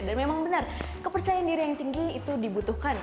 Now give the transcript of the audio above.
dan memang benar kepercayaan diri yang tinggi itu dibutuhkan